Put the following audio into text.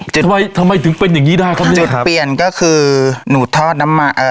ทำไมทำไมถึงเป็นอย่างงี้ได้ครับเนี้ยจุดเปลี่ยนก็คือหนูทอดน้ำมาเอ่อ